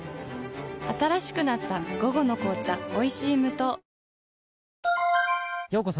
新しくなった「午後の紅茶おいしい無糖」